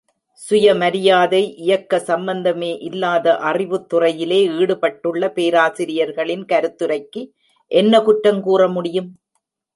சுயமரியாதை இயக்க சம்பந்தமே இல்லாத, அறிவுத்துறையிலே ஈடுபட்டுள்ள பேராசிரியர்களின் கருத்துரைக்கு, என்ன குற்றங் கூற முடியும்?